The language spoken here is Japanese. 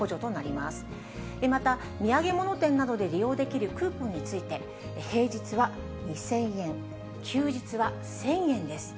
また、土産物店などで利用できるクーポンについて、平日は２０００円、休日は１０００円です。